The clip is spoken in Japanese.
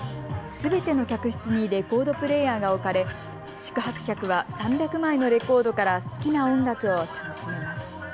すべての客室にレコードプレーヤーが置かれ宿泊客は３００枚のレコードから好きな音楽を楽しめます。